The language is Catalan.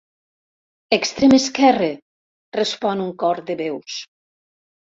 Extrem esquerre! —respon un cor de veus.